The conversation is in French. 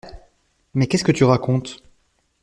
Mais qu’est-ce que tu racontes?